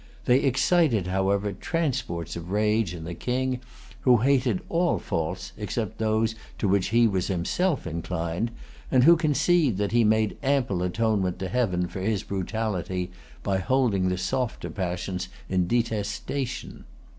They excited, however, transports of rage in the King, who hated all faults except those to which he was himself inclined, and who conceived that he made ample atonement to Heaven for his brutality by holding the softer passions in detestation.